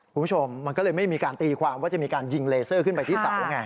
คุณผู้ชมมันก็เลยไม่มีการตีความว่าจะมีการยิงเลเซอร์ขึ้นไปที่เสาไง